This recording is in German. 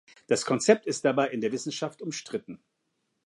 Das Konzept ist dabei in der Wissenschaft umstritten.